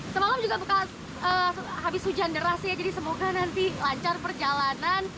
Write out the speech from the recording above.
semalam juga bekas habis hujan deras ya jadi semoga nanti lancar perjalanan